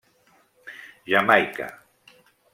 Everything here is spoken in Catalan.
Jamaica.